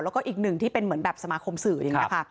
แล้วก็อีกหนึ่งที่เป็นเหมือนแบบสมาคมสื่ออย่างนี้ค่ะ